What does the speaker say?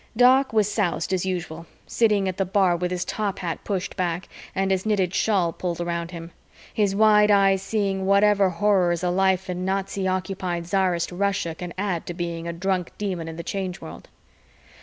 Doc was soused as usual, sitting at the bar with his top hat pushed back and his knitted shawl pulled around him, his wide eyes seeing whatever horrors a life in Nazi occupied Czarist Russia can add to being a drunk Demon in the Change World.